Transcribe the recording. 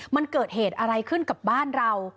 มันเกิดเหตุอะไรขึ้นกับบ้านเรา